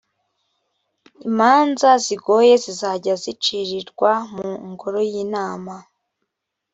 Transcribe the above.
imanza zigoye zizajya zicirirwa mu ngoro y’imana